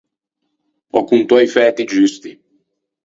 Ò contou i fæti giusti.